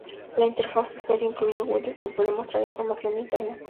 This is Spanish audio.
La interfaz de usuario incluye Widgets, que pueden mostrar información de Internet.